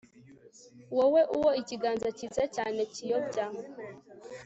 Wowe uwo ikiganza cyiza cyane kiyobya